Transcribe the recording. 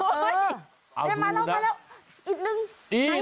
เอ้ยเราก็มาแล้วรักโน่น